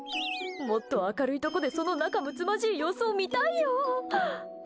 もっと明るいところでその仲むつまじい様子を見たいよ。